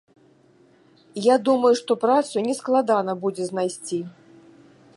Я думаю, што працу нескладана будзе знайсці.